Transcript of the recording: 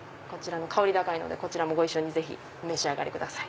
香り高いのでこちらもご一緒にお召し上がりください。